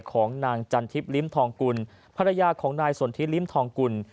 ของนางจันทิพยิมทองกุลภรรยาของนายสนทิลิ้มทองกุล